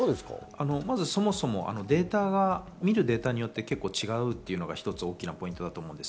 まず、そもそもデータが見るデータによって違うというのが一つ、大きなポイントだと思うんです。